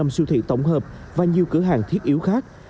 hai mươi năm siêu thị tổng hợp và nhiều cửa hàng thiết yếu khác